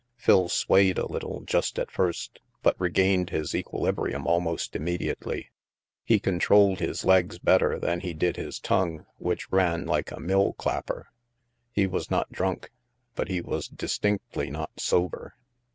Phil swayed a little just at first, but regained his equilibrium almost imme diately. He controlled his legs better than he did his tongue, which ran like a mill clapper. He was not drunk, but he was distinctly not sober.